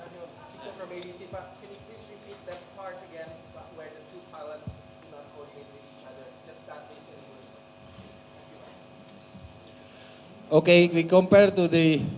bagaimana kalau dua pilot tidak koordinasi dengan satu sama lain